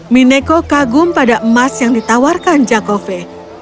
mineko kagum pada emas yang ditawarkan jakofe